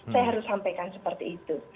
saya harus sampaikan seperti itu